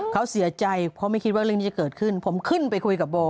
เขาเสียใจเพราะไม่คิดว่าเรื่องนี้จะเกิดขึ้นผมขึ้นไปคุยกับโบ